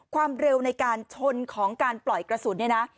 ความเร็วในการชนของการปล่อยกระสุนเนี่ยนะ